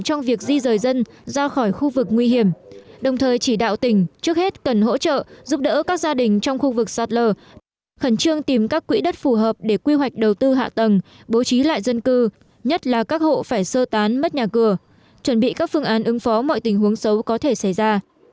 trong việc di rời dân ra khỏi khu vực nguy hiểm đồng thời chỉ đạo tỉnh trước hết cần hỗ trợ giúp đỡ các gia đình trong khu vực sạt lở khẩn trương tìm các quỹ đất phù hợp để quy hoạch đầu tư hạ tầng bố trí lại dân cư nhất là các hộ phải sơ tán mất nhà cửa chuẩn bị các phương án ứng phó mọi tình huống xấu có thể xảy ra